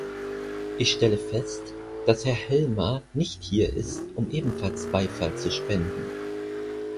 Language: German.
Ich stelle fest, dass Herr Helmer nicht hier ist, um ebenfalls Beifall zu spenden.